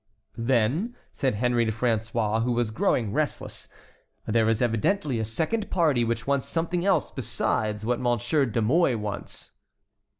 "Then," said Henry to François, who was growing restless, "there is evidently a second party which wants something else besides what Monsieur de Mouy wants."